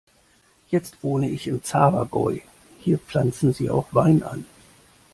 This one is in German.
Jetzt wohne ich im Zabergäu, hier pflanzen sie auch Wein an.